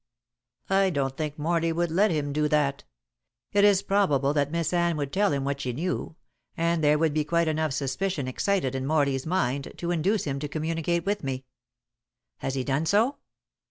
"I don't think Morley would let him do that. It is probable that Miss Anne would tell him what she knew, and there would be quite enough suspicion excited in Morley's mind to induce him to communicate with me." "Has he done so?"